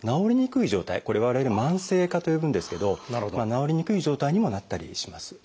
これ我々「慢性化」と呼ぶんですけど治りにくい状態にもなったりします。